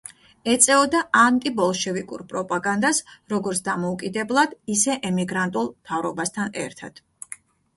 ეწეოდა ანტიბოლშევიკურ პროპაგანდას, როგორც დამოუკიდებლად ისე ემიგრანტულ მთავრობასთან ერთად.